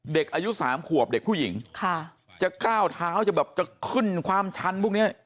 เด็กอายุสามขวบเด็กผู้หญิงค่ะจะก้าวเท้าจะแบบจะขึ้นความชันพวกเนี้ย